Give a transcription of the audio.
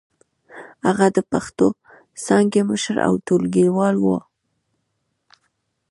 هغه د پښتو څانګې مشر او ټولګيوال و.